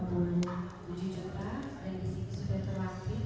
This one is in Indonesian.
dan disini sudah terwakit